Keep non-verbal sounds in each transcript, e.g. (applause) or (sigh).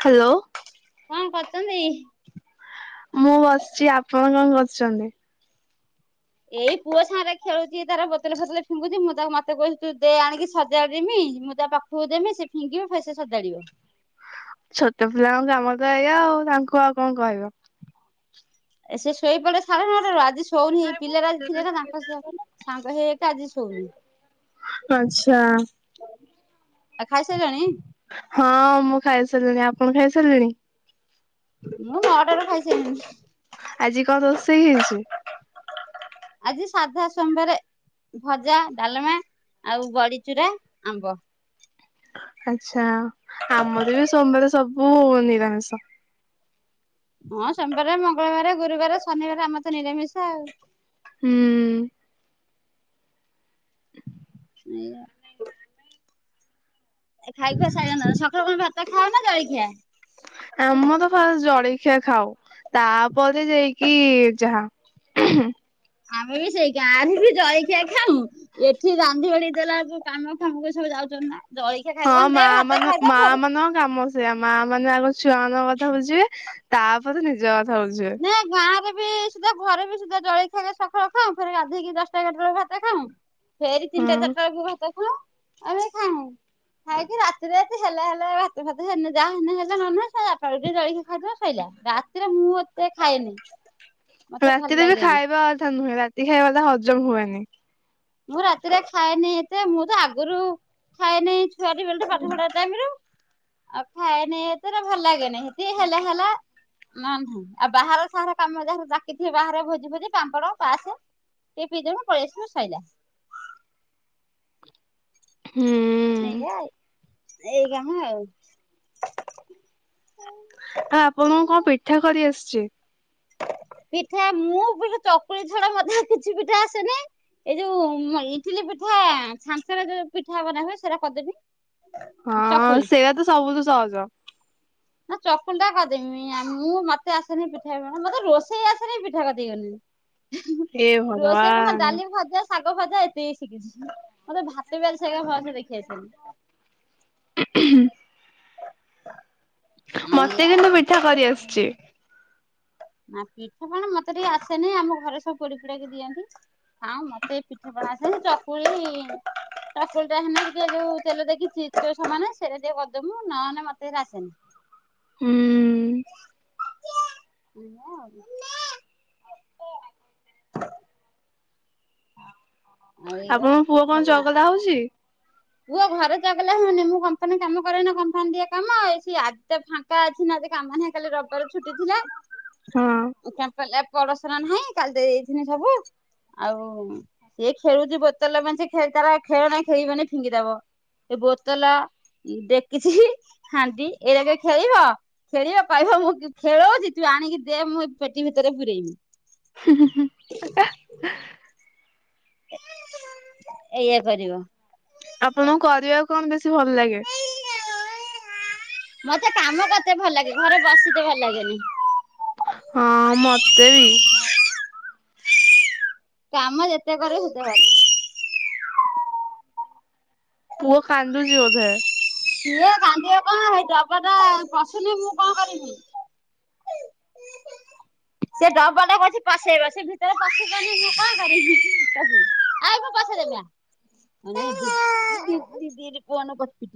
Hello କଣ କରୁଛନ୍ତି? ମୁଁ ବସିଛି ଆପଣ କଣ କରୁଛନ୍ତି? ଏଇ ପୁଅ ସାଙ୍ଗ ରେ ଖେଳୁଛି ତାର ବତଲ ଫତଲ ଫିଙ୍ଗୁଛି ମୁଁ ତାକୁ ମତେ କହୁଛି ତୁ ଦେ ଆଣିକି ସଜାଡ଼ିଦେମୀ ମୁଁ ତା ପାଖକୁ ଦେମି ସେ ଫିଙ୍ଗିବ ଫେର ସେ ସଜାଡିବ। ଛୋଟ ପିଲାଙ୍କ କାମ ତ ଏଇ ଆଉ ତାଙ୍କୁ ଆଉ କଣ କହିବ। ଏ ସେ ଶୋଇପଡ଼େ ସାଢେନଅଟାରୁ। ଆଜି ଶୋ ସୋଉଁନି ପିଲାଟା ଆଜି ଥିଲେ ନା ତାଙ୍କ ସହ ସାଙ୍ଗ ହେଇ ଏକା ଆଜି ଶୋଉନି। ଆଛା ଆଉ ଖାଇସାରିଲଣି? ହଁ ମୁଁ ଖାଇ ସାରିଲିଣି ଆପଣ ଖାଇସାରିଲେଣି? ମୁଁ ନ ଟାରୁ ଖାଇସାରିଲିନି। ଆଜି କଣ ରୋଷଇ ହେଇଛି? ଆଜି ସାଧା ସୋମବାରେ। ଭଜା ଡାଲମା ଆଉ ବଡିଚୁରା ଆମ୍ବ। ଆଚ୍ଛା ଆମର ବି ସୋମବାର ସବୁ ନିରାମିଷ। ହଁ ସୋମବାର ମଙ୍ଗଳବାର ଗୁରୁବାର ଶନିବାର ଆମର ତେ ନିରାମିଷା ଆଉ। ହୁଁ (inaudible) (inaudible) ଏ ଖାଇ ଖୁଆ ସାଇଲନା ସକାଳୁ କଣ ଭାତ ଖାଅ ନା ଜଳଖିଆ। ଆମର ଫାଷ୍ଟ ଜଳିଖିଆ ଖାଉ ତାପରେ ଯାଇକି ଯାହା। ଉଁହୁଁ। ଆମେ ବି ସେଇ ଗାଁରେ ବି ଜଳିଖିଆ ଖାଉ। ଏଠି ରାନ୍ଧି ବାଢ଼ି ଦେଲା ବେଳକୁ କାମ ଫାମ କୁ ସବୁ ଯାଉଚନ୍ତି ନା। ଜଳଖିଆ ହଁ ଖାଇବୁ କଣ ମା ଦେ ଭାତ ମାନ ଖାଇଦେ ମା ଫେରେ ମାନଙ୍କ କାମ ସେଇଆ ମା ମାନେ ଆଗ ଛୁଆ ମାନଙ୍କ କଥା ବୁଝିବେ। ତାପରେ ନିଜ କଥା ବୁଝିବେ? ନାଁ ଗାଁ ହୁଏ ବି ସିଧା ଘରେ ବି ସୁଧା ଜଳେ ଖିଆ ସକାଳ ଖାଉ ଫେରେ ଗାଧୋଇକି ଦଶଟା ଏଗାର ଟା ବେଳେ ଭାତ ଖାଉଁ। ଫେରି ହଁ। ତିନିଟା ଚାରିଟା ବେଳକୁ ଭାତ ଖାଉଁ ଆମେ ଖାଉଁ। ଆମେ ଖାଉଁ। ଖାଇ କିି ରାତିରେ ରାତି ହେଲା ହେଲେ ଭାତ ଫାତ ହେନେ ଯାହା ହେନେ ହେଲା ନହେନେ ନାହିଁ। ହେ ଆଟ ଟା ବେଳକୁ ଯିଏ ଜଳଖିଆ ଖାଇଦେଲା ଶଇଲା ରାତିରେ ମୁଁ ଏତେ ଖାଏନି। ମତେ ଭଲ ରାତିରେ ବି ଲାଗେନି ଖାଇବା ଅଥା ନୁହେଁ ରାତି ଖାଇବାଟା ହଜମ ହୁଏନି। ମୁଁ ରାତିରେ ଖାଏନି ଏତେ ମୁଁ ତ ଆଗରୁ ଖାଏନେଇଁ ଛୁଆଟି ବେଳଠୁ ପାଠ ପଢା ଟାଇମ ରୁ ଆଉ ଖାଏନି ଏତେରା ଭଲ ଲାଗେନେଇଁ। କି ହେଲେ ହେଲା ନାଁ ନାହିଁ ଆଉ ବାହାର ସାହାର କାମ ଯାହାର ଡାକିଥିବେ ବାହାଘରିଆ ଭୋଜି ଭୋଜି ପାମ୍ପଡ ପାସେ ଟିକେ ପି ଦେମିି ପଳେଇ ଆସିମି ସଇଲା। ହୁଁ। ଏଇଆ ଆଉ ଏଇଗା ହୁଁ ଆଉ। ଆଉ ଆପଣଙ୍କୁ କଣ ପିଠା କରି ଆସଚି? ପିଠା ମୁଁ ପିଠା ଚକୁଳି ଛଡା ମୋତେ ଆଉ କିଛି ପିଠା ଆସେନେଇଁ। ଏଇ ଯୋଉ ମ ଇଟିଲି ପିଠା ଛାଞ୍ଚରେ ଯୋଉ ପିଠା ବନା ହୁଏ ସେରା କରିଦେବି। ହଁ ଚକୁଳି ସେଇଆ ତ ସବୁ ତୁ ସହଜ। ନା ଚକୁଲ ଟା କରିଦେମି ଆଉ ମୁଁ ମତେ ଆସେନି ପିଠା ପ ମତେ ରୋଷେଇ ଆସେନି ପିଠା କତିକି ଗନିଣି। ହେ ହୁଁ ରୋଷେଇ ମୁଁ ଖାଲି ଭଗବାନ ଡାଲି ଭଜା ଶାଗ ଭଜା ଏତକି ଶିଖିଛି ମତେ ଭାତବି ଆଜି ସାଇକା ଭଲସେ ଦେଖି ଆସେନି। ଉଁ ହୁଁ। ମତେ ଏଇଆ କିନ୍ତୁ ପିଠା କରିଆସୁଚି। ନା ପିଠାପଣା ମତେ ଟିକେ ଆସେନେଇଁ ଆମ ଘରେ ସବୁ ପୋଡି ପୁଡାକି ଦିଅନ୍ତି। ହାଉଁ ମତେ ପିଠିପଣା ଆସେନି। ଚକୁଳି ଚାକୁଳି ଟା ହେନେ ଟିକିଏ ଯୋଉ ତେଲ ଦେଇକି ଚିତଉ ସମାନେ ସେଇରା ଟିକେ କରିଦମୁ ନହେନେ ମତେ ହେରା ଆସେନି। ହୁଁ। ଏଇଆ ଆଉ କଁ? ଆଉ ଏଇଆ ଆପଣଙ୍କ ପୁଅ ପିଠା କଣ ପଣା ଚଗଲା ହଉଚି? ପୁଅ ଘରେ ଚଗଲା ହୁଏନି। ମୁଁ କମ୍ପାନୀ କାମ କରେ ନା କମ୍ପାନୀ ଦିଏ କାମ ଏଇ ସିଏ ଆଜିତ ଫା ଙ୍କା ଅଛି ନା କାମ କାଲି ରବିବାର ଛୁଟି ଥିଲା। ହଁ (unintelligible) ପଡଶରା ନାହିଁ କାଲି ଦେଇ ଦେଇ ଥିନି ସବୁ ଆଉ ସେ ଖେଳୁଚି ବୋତଲ ମେଞ୍ଚେ ଖେଳ ତାର ଆଉ ଖେଳନା ନାଇ ଖେଳିବନି ଫିଙ୍ଗିଦବ। ସେ ବୋତଲ ଡେକିଛିଇ ହାଣ୍ଡି ଏଇରାକରେ ଖେଳିବ ଖେଳିବ କଇଭ ମୁଁ କି ଖେଳଉଜି ତୁ ଆଣିକି ଦେ ମୁଁ ଏ ପେଟି ଭିତରେ ପୁରେଇମି। ହୁଁ ହୁଁ ହୁଁ। (unintelligible) ଏଇଆ କରିବ। ଆପଣଙ୍କୁ କରିବାକୁ କଣ ବେଶୀ ଭଲ ଲାଗେ? ମୋତେ କାମ କରତେ ଭଲ ଲାଗେ ଘରେ ବସିତେ ଭଲ ଲାଗେନି। ହଁ ମତେ ବି। କାମ ଯେତେ କରିବୁ ସେତେ ଭଲ। ପୁଅ କାନ୍ଦୁଚି ବୋଧେ? ସିଏ କାନ୍ଧିବ କଣ ହେଇ ଡବାଟା ପସୁନି ମୁଁ କଣ କରିମି। ସେ ଡବାଟା ଅଛି ପସେଇବା ସେ ଭିତରେ ପାେଇି ମୁଁ କଣ କରିବି ତାକୁ।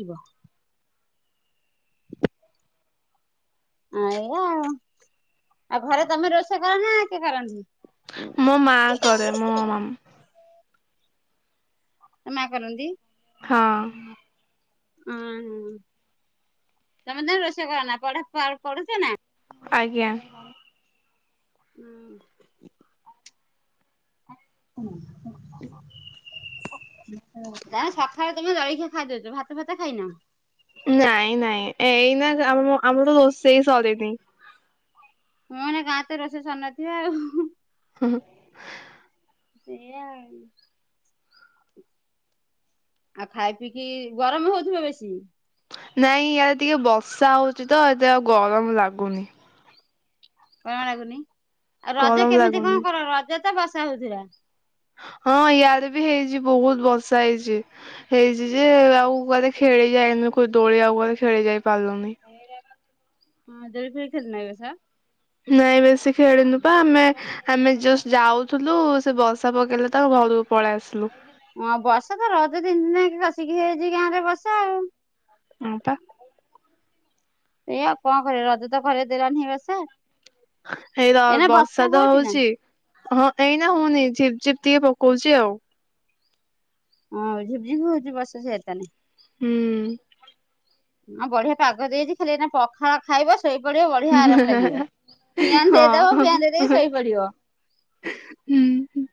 (inaudible) ଏଆ ଆଉ। ଆଉ ଘରେ ତମେ ରୋଷେଇ କରନା କିଏ କରନ୍ତି? ମୋ ମା କରେ ମୋ ମାମ ମା କରନ୍ତି? ହଁ। ଓଁ ତମେ ତାନେ ରୋଷେଇ କରନା ପଢା ପଢୁଚ ନା? ଆଜ୍ଞା। ହୁଁ। (inaudible) (unintelligible) ତାଇଲେ ସକାଳେ ତମେ ଜଳିଖିଆ ଖାଇଦଉଚ ଭାତ ଫାତ ଖାଇନ? ନାଇଁ ନାଇଁ ଏଇନା ଆମ ଆମର ରୋଷେଇ ସରିନି। ମଁ ମାନେ ଗାଁ ତ ରୋଷେଇ ସରିନଥିବ ଆଉ। ହୁଁ ହଁ। ସେଇଆ ଆଉ। ଆଉ ଖାଇ ପିଇକି ଗରମ ହଉଥିବ ବେଶୀ? ନାଇଁ ୟାଡେ ଟିକେ ବର୍ଷା ହଉଚି ତ ଏତେ ଆଉ ଗରମ ଲାଗୁନି। ଗମ ଲାଗୁନି ଆଉ ରଜ ଗରମ କେମିତି ଲାଗୁନି କଣ କର? ରଜ ତ ବସା ହଉଥିଲା। ହଁ ୟାଡେ ବି ହେଇଚି ବହୁତ ବର୍ଷା ହେଇଚି। ହେଇଚି ଯେ ଆଉ କୁଆଡେ ଖେଳି ଯାଇନୁ ଦୋଳି ଆଉ କୁଆଡେ ଖେଳି ଯାଇ ପାରିଲୁନି। ହଁ ଦୋଳି ଫୋଳି ଖେଳିନ ଏ ବସ? ନାଇଁ ବେଶୀ ଖେଳିନୁ ବା ଆମେ ଆମେ ଜଷ୍ଟ ଯାଉଥିଲୁ ସେ ବର୍ଷା ପକେଇଲେ ତ ଘରକୁ ପଳେଇ ଆସିଲୁ। ହଁ ବସା ତ ରଜ ତିନି ଦିନ ଯାକେ କସିକି ହେଇଛି ଗାଁ ରେ ବସା ଆଉ। ହଁ ପା। ଏଇଆ ଆଉ କଣ କରିବ ରଜ ତ କରେଇ ଦେଲାନି ଏ ବସ। (unintelligible) ବର୍ଷା ତ ହଉଛି ନା? ହଉଚି। ହଁ ଏଇନା ହଉନି ଝିପ୍ ଝିପ୍ ଟିକେ ପକଉଚି ଆଉ। ହଁ ଝିପ ଝିପ ହଉଚି ବସା ସିଆଡେ ତାନେ? ହୁଁ। ହଁ ବଢିଆ ପାଗ ଦେଇଚି ଖାଲି ଏଇନା ପ ଖାଳ ଖାଇବ ଶୋଇପଡିବ ବଢିଆ ଆରାମ ଲାଗିବ। ଫିଆନ୍ ଦେଇଦବ ହଁ ଫିଆନ୍ ଦେଇଦେଇକି ଶୋଇପଡିବ। ହୁଁ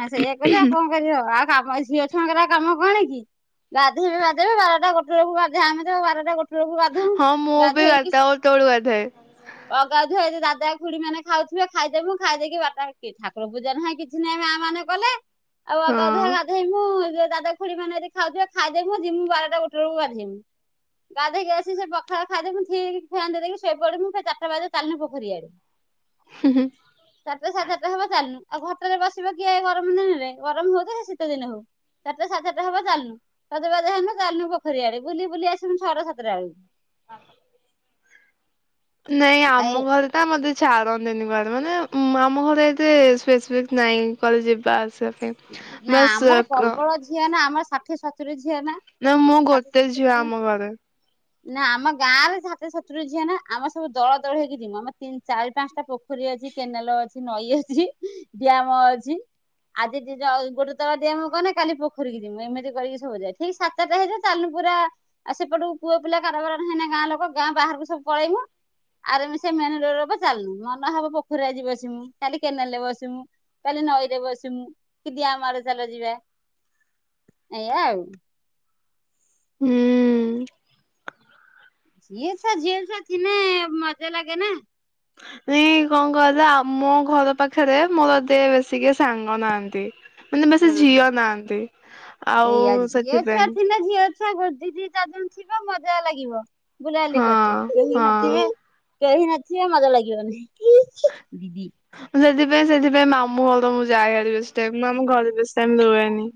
ଆ ସୋଇଆ କରିବା କଁ କରିବ ଆଉ କାମ ଝିଅ ଛୁଆଙ୍କ କାମ କଣ କି ଗାଧୋଇବେ ବାଧେଇବେ ବାରଟା ଗୋଟେ ବେଳକୁ ଗାଧେ ଆମେ ବାରଟା ଗୋଟେ ବେଳକୁ ଗାଧୁ। ହଁ ମୁଁ ବି ଗାଧେଇକି ବାରଟା ଗୋଟେ ବେଳୁ ଗାଧାଏ ଅଗାଧୁଆ ଦାଦା ଖୁଡି ମାନେ ଖାଉଥେ ଖାଇଦେମୁ, ଖାଇ ଦେଇକି ବାଟ ଠାକୁର ପୁଜା ନାହିଁ କିଛି ନାହିଁ ମାଆ ମାନେ କଲେ। ଆଉ ଅଗାଧୁଆ ହଁ। ଅଧେଇମୁ ଦାଦା ଖୁଡି ମାନେ ଅଦି ଖାଉଥିବେ ଖାଇଦେମୁ ଯିମୁ ବାରଟା ଗୋଟେଳକୁ ଗାଧେଇମୁ। ଗାଧୋଇକି ଆସି ସେ ପଖାଳ ଖାଇଦେମୁ ଠିକ ଫ୍ୟାନ ଦେଇଦେଇକି ଶୋଇପଡ଼ିମୁ ଫେରେ ଚରଟା ବାଜିବ ଚାଲିନୁ ପୋଖରୀ ଆଡେ। ହୁଁ ହୁଁ। ଚରଟା ସାଢେ ଚରଟା ହବ ଚାଲନୁ ଆଉ ଘରଟାରେ ବସିବ କିଏ ଗରମ ଦିନରେ ଗରମ ହଉ ତ ସେ ଶୀତ ଦିନ ହଉ। ଚାରିଟା ସାଢେ ଚରଟା ହବ ଚାଲନୁ ସଜବାଜ ହେନୁ ଚାଲନୁ ପୋଖରୀ ଆଡେ ବୁଲି ବୁଲି ଆସିବୁ ଛଅଟା ସାତଟା ବେଳକୁ। (unintelligible) ନାଇଁ ଏଇ ଆମ ଘରେ ତ ମତେ ଛାଡ଼ନ୍ତିନି କୁଆଡେ ମାନେ ଆମ ଘରେ ଏତେ ସ୍ପେସିଫିକ ନାଇଁ କୁଆଡେ ଯିବା ଆସିବା ପାଇଁ। ନା ବାସ୍ ଆମର କ ପ୍ରବଳ ଝିଅ ନା ଆମ ଷାଠିଏ ସତୁରୀ ଝିଅ ନା ମୁଁ ଷାଠିଏ ଗୋଟେ ସତରି ଝିଅ ଆମ ଘରେ ନାଁ, ଆମ ଗାଁରେ ଷାଠିଏ ସତୁରୀ ଝିଅ ନା ଆମେ ସବୁ ଦଳ ଦଳ ହେଇକି ଯିବୁ ଆମ ତିିନ ଚାରି ପାଞ୍ଚଟା ପୋଖରୀ ଅଛି। କେନାଲ ଅଛି ନଈ ଅଛି, ଡ୍ୟାମ ଅଛି। ଦିଦି ଯ ଗୋଟେ ଦଳ ଡ୍ୟାମ୍ ଗଲେ କାଲି ପୋଖରୀକୁ ଯିମୁ ଏମିତି କରିକି ସବୁ ଯାଏ ଠିକ ସାତଟା ହେଇଯା ଚାଲିଲୁ ପୁରା ଆଉ ସେପଟକୁ ପୁଅ ପିଲା କାରବାର ନାହିଁ ନା ଗାଁ ଲୋକ ଗାଁ ବାହାରକୁ ସବୁ ପଳେଇମୁ। ଆରେ ସେ ମେନେଜର ଲୋକ ଚାଲୁ ମନ ହବ ପୋଖରୀ ଆଜି ବସିମୁ କାଲି କେନାଲ ରେ ବସିମୁ। କାଲି ନଈରେ ବସିମୁ କି ଡ୍ୟାମ ଆଡ଼େ ଚାଲ ଯିବା ଏଇଆ ଆଉ। ହୁଁ। ଏ ଛୁଆ ଝିଅ ଛୁଆ ଥିନେ ମଜା ଲାଗେ ନା। ଏଁ କଣ କହିଲ ଆମ ଘର ପାଖରେ ମୋର ଏତେ ବେଶୀି କେବ ସାଙ୍ଗ ନାହାନ୍ତି। ମାନେ ବେଶୀ ନା। ଝିଅ ନାହାନ୍ତି ଆଉ ସେଇଆ ଝିଅ ଛୁଆ ସେଥିପାଇଁ। ଥିଲେ ଝିଅ ଛୁଆ ଦିଦି ଚାରିଜଣ ଥିବ ମଜା ଲାଗିବ। ବୁଲାଲି ହଁ କତେ ନିହାତି ହଁ ନାଁ। କେହି ନଥିବେ ମଜା ଲାଗିବନି ଇ ହି ଦିଦି ସେଥିପାଇଁ ସେଥିପାଇଁ ମାମୁଁ ଘରକୁ ଯାଏ ବେଶି ଟାଇମ ମୁଁ ଆମ ଘରେ ବେଶି ଟାଇମ ରୁହେନି।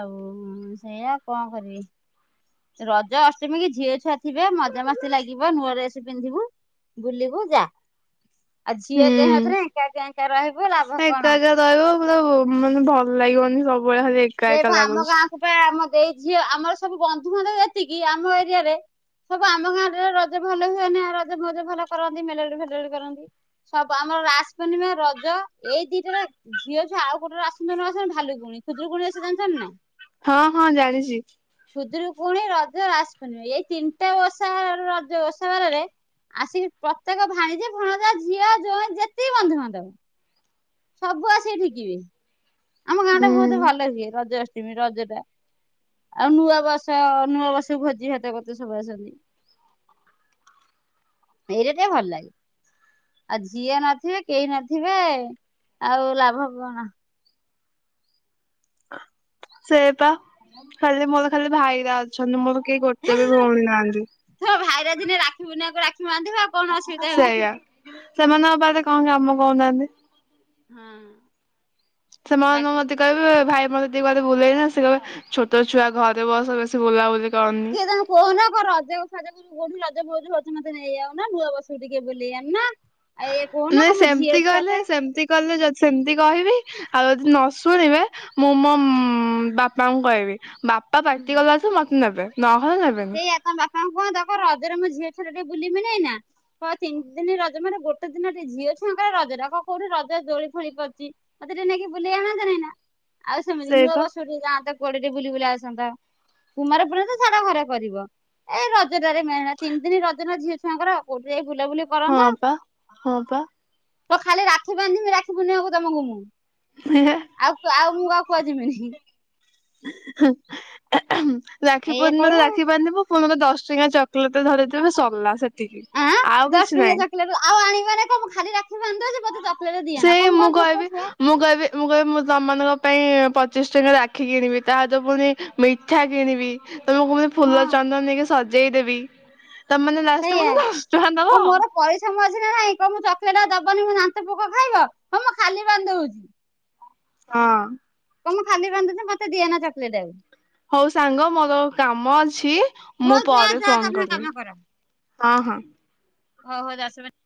ଆଉ ଉଁ ସେଇଆା କଅଁକରିବି। ରଜ ଅଷ୍ଟମୀ କି ଝିଅ ଛୁଆ ଥିବେ ମଜାାମସ୍ତି ଲାଗିବ ନୂଆ ଡ୍ରେସ୍ ପିନ୍ଧିବୁ। ବୁଲିବୁ ଯାଆ ଆଉ ଝିଅ ହୁଁ। ଦିହାଙ୍କ ଏକା ଏକା ରହିବୁ ଲାଭ କଣ। କଇବ ପୁରାଭଲ ଲାଗିବନି ସବୁବେଳେ ଖାଲି ଏ ଯେହେତୁ ଆମ ଗାଁକୁ ପା ଆମ ଦେଇ ଝିଅ ଆମର ସବୁ ବନ୍ଧୁବାନ୍ଧବ ଏତିକି ଆମ ଏରିଆରେ। ସବୁ ଆମ ଗାଁ ରେ ରଜ ଭଲ ହୁଏନି ରଜ ମଉଜ ଭଲ କରନ୍ତି ମେଲେଡି ଫେଲେଡି କରନ୍ତି। ସବୁ ଆମର ରାସ ପୂର୍ଣ୍ଣିମା ରଜ ଏଇ ଦିଟାରେ ଝିଅ ଛୁଆ ଆଉ କୋଉଟିରେ ଆସନୁ ଆସନ୍ତୁ ଭାଲୁକୁଣି ଖୁଦୁରୁକୁୁଣି ଓଷା ଜାଣିଚନି ନାଇଁ। ହଁ ହଁ ଜାଣିଛି। ଖୁଦରୁ କୁଣି ରଜ ରାହାସ ପୂର୍ଣ୍ଣିମା ଏଇ ତିନିଟା ଓଷା ରଜ ଓଷା ବାରରେ ଆସିକି ପ୍ରତ୍ୟେକ ଭାଡିଜି ଭଣଜା ଝିଅ ଯୋଇଁ ଯେତିକି ବନ୍ଧୁବାନ୍ଧବ ସବୁ ଆସି ଢିକିବେ ଆମ ଗାଁ ଟା ହୁଁ। ବହୁତ ଭଲ ହଏ ରଜ ଅଷ୍ଟମୀ ରଜ ଟା ଆଉ ନୂଆ ବର୍ଷ ନୂଆ ବର୍ଷକୁ ଭୋଜି ଭାତ କରିତେ ସବୁ ଆସନ୍ତି। ଏଇରା ଟିକେ ଭଲ ଲାଗେ। ଆଉ ଝିଅ ନଥିବେ କେହି ନଥିବେ ଆଉ ଲାଭ କଣ। ସେଇପା ଖାଲି ମୋର ଖାଲି ଭାଇ ରା ଅଛନ୍ତି ମୋର କେହି ଗୋଟେ ବି ଭଉଣୀ ନାହାନ୍ତି। ହୋ ଭାଇର ଦିନେ ରାକ୍ଷୀ ପୁନିମାକୁ ରାଖି ବାନ୍ଧିବ। କଣ ଅସୁବିଧା ହଉଛି। ସେଇଆ ସେମାନଙ୍କ ପାଖରେ କଣ କାମ କହୁନାହାନ୍ତି। ହଁ। ସେମାନେ ରାକ୍ଷୀ ମତେ ପୂର୍ଣ୍ଣିମା କହିବେ ଭାଇ ମ- ଦି କୁଆଡେ ବୁଲେଇବା ନା ସେ କହିବେ ଛୋଟ ଛୁଆ ଘରେ ବସ ବେଶୀ ବୁଲାବୁଲି କଅରନି। କିଏ ତାଙ୍କୁ କହୁନ କ ରଜ ଉସା ଯା କୋଉଠି ରଜ ମଉଜ ହଉଛି ମତେ ନେଇ ଯାଉନ ନୂଆ ବର୍ଷକୁ ଟିକେ ବୁଲେଇ ଆଣୁନା। ଆ ଏ କୁହନ ନାଇଁ ସେମିତି ମୁଁଝିଅ ଛୁଆ କହିଲେ ଟେ (unintelligible) ସେମିତି କହିବି। ଆଉ ଯଦି ନ ଶୁଣିବେ ମୁଁ ମୋ ବାପାଙ୍କୁ କହିବି ବା ବା ପାଟି ଗଲାଠୁ ମତେ ନେବେ ନ ହେଲେ ନେବେ। ତାଙ୍କ ବାପାଙ୍କୁ କୁହନ୍ତ କରଜରେ ମୋ ଝିଅ ଥରେ ଟିକେ ବୁଲିମି ନାଇ ନା। ହଁ ତିନି ଦିନ ରଜ ମାନେ ଗୋଟେ ଦିନ ଟେ ଝିଅ ଛୁଆଙ୍କ ରଜଟା କୋଉଠି ରଜ ଦୋଳି ଫଳି ପଡିବି। ମତେ ଟିକେ ନେଇକି ବୁଲିେଇ ଆଣ ତ ନାଇ ନା। ଆଉ ସେମିତି ନୂଆ ସେଇପା ବର୍ଷ ଟିକେ ଯାଆନ୍ତା କୁଆଡେ ବୁଲି ବୁଲି ଆସନ୍ତା କୁମାରପୁର୍ଣ୍ଣା ତ ଛାଡ଼ ଘରେ। କରିବ, ଏଇ ରଜଟାରେ ମେହଣା ତିନି ଦିନି ରଜନା ଝିଅ ଛୁଆଙ୍କର କୋଉଠି ଯାଇ ବୁଲାବୁଲି। ହଁ ପା ହଁ ପା। କ ଖାଲି ରାକ୍ଷୀ ବାନ୍ଧମି ରାକ୍ଷୀ ପୁନିମାକୁ ତମକୁ ମୁଁ ଆଉ ଆଉ ମୁଁ କୁଆଡ଼େ ଯିମିନି। ହୁଁ, ଏହୁଁ ରାକ୍ଷୀ ଏଇଆ ପୁନିମା ରେ କହିବ ରାକ୍ଷୀ ବାନ୍ଧିବୁ। ମନକର ଦଶ ଟଙ୍କା ଚକୋଲେଟ ଧରିଥିବେ ସରିଲା ସେ ଆଁ ଦଶ ଟଙ୍କିଆ ଚକଲେଟ ରୁ ଆଉ ଆଣିବେନି କଣ ମୁଁ ଖାଲି ରାକ୍ଷୀ ବାନ୍ଧିତେ ଯିବି। ସେଇ ମୁଁ କହିବି ମୁଁ କହିବି ମୁଁ କହିବି ମୁଁ ତମ ମାନଙ୍କ ପାଇଁ ପଚିଶ ଟଙ୍କା ରାକ୍ଷୀ କିଣିବି ତା ସହିତ ପୁଣି ମିଠା କିଣିବି। ତମକୁ ମୁଁ ହଁ ଫୁଲ ଚନ୍ଦନ ନେଇକି ସଜେଇଦେବି ତମେ ମାନେ ଲାଷ୍ଟରେ ସେଇଆ। ମତେ ଦଶ ଟଙ୍କା କଣ ଦବ। ମୋର ପଇସା ମଝିରେ ନାଇଁ କହ ମୁଁ ଚକଲେଟ ଦବନି ମୋ ଦାନ୍ତ ପୋକ ଖାଇବ ହଁ ମୁଁ ଖାଲି ବାନ୍ଧି ଦଉଛି। ହଁ। କହ ମୁଁ ଖାଲି ବାନ୍ଧିଲେ ମତେ ଦିଅନା ଚକୋଲେଟ ଆଉ। ହଉ ସାଙ୍ଗ ମୋର କାମ ଅଛି। ଆଉ ମୁଁ ହଉ ଯା ପରେ ଯା ଫୋନ୍ ତମେ କରିବି। କାମ ହଁ ହଁ। ଓହୋ ଦାସ ଭାଇ